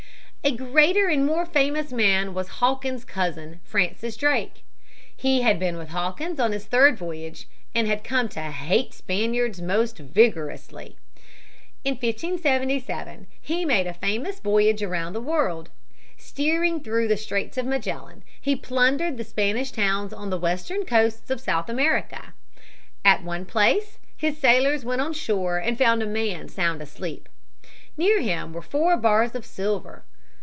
A greater and a more famous man was Hawkins's cousin, Francis Drake. He had been with Hawkins on his third voyage and had come to hate Spaniards most vigorously. In 1577 he made a famous voyage round the world. Steering through the Straits of Magellan, he plundered the Spanish towns on the western coasts of South America. At one place his sailors went on shore and found a man sound asleep. Near him were four bars of silver.